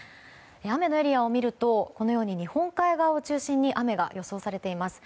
雨のエリアを見ると日本海側を中心に雨が予想されています。